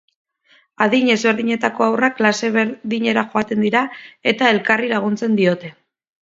Adin ezberdineko haurrak klase berdinera joaten dira eta elkarri laguntzen diote.